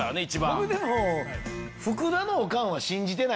僕でも。